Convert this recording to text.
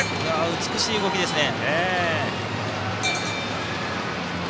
美しい動きですね。